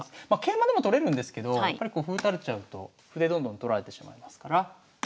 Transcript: まあ桂馬でも取れるんですけど歩垂れちゃうと歩でどんどん取られてしまいますから。